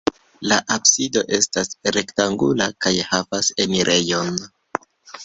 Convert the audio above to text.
La absido estas rektangula kaj havas enirejon.